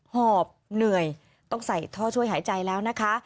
หอบเหนื่อยต้องใส่ท่อช่วยหายใจแล้วนะคะ